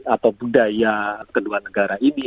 atau budaya kedua negara ini